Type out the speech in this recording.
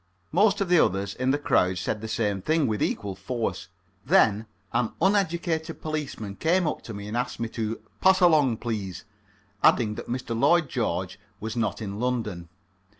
Most of the others in the crowd said the same thing with equal force. Then an uneducated policeman came up to me and asked me to pass along, please, adding that Mr. Lloyd George was not in London.